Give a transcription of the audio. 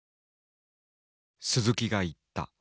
鈴木が言った。